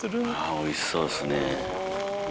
おいしそうですね。